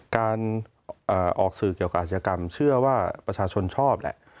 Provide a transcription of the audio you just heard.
การออกสื่อเกี่ยวกับอาชญากรรมเชื่อว่าประชาชนชอบแหละ